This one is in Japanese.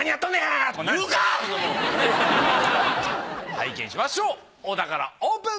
拝見しましょうお宝オープン。